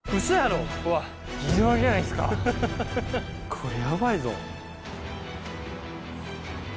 これヤバいぞ。